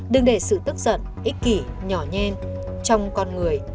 đừng để sự tức giận ích kỷ nhỏ nhen trong con người